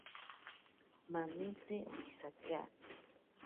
Manitsi okisatya.